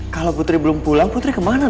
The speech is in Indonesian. kalau putri belum pulang putri kemana